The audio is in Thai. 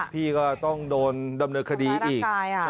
พี่ก็ต้องโดนดำเนินคดีอีก